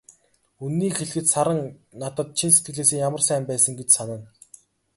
Үнэнийг хэлэхэд, Саран надад чин сэтгэлээсээ ямар сайн байсан гэж санана.